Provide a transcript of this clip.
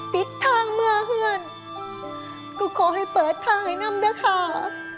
ปิดทางเมื่อเพื่อนก็ขอให้เปิดทางให้นำด้วยค่ะ